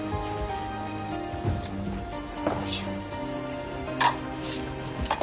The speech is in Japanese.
よいしょ。